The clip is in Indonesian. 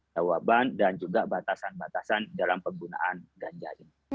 jawaban dan juga batasan batasan dalam penggunaan ganja ini